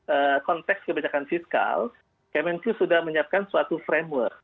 bahwa secara konteks kebijakan fiskal kmnq sudah menyiapkan suatu framework